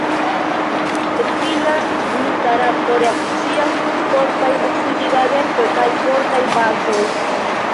Etila glutarato reakcias kun fortaj oksidigagentoj kaj fortaj bazoj.